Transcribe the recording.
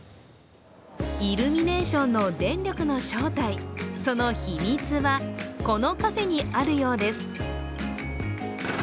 イルミネーションの電力の正体、その秘密は、このカフェにあるようです。